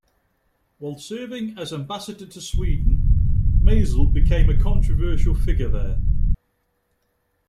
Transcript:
While serving as ambassador to Sweden, Mazel became a controversial figure there.